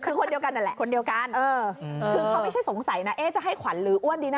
คือคนเดียวกันแหละเค้าไม่ใช่สงสัยนะเอ๊ะจะให้ขวัญหรืออ้วนดีนะ